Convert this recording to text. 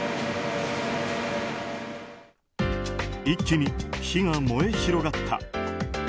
一気に火が燃え広がった。